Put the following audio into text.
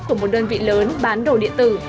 của một đơn vị lớn bán đồ điện tử